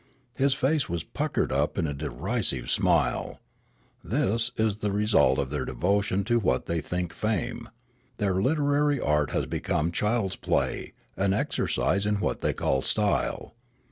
His face was puckered up in a derisive smile. " This is the re sult of their devotion to what the}' think fame. Their literary art has become child's play, an exercise in what they call style.